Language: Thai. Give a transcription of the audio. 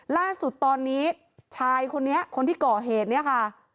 ล่าสุดตอนนี้ชายคนนี้คนที่ก่อเหตุเนี่ยค่ะ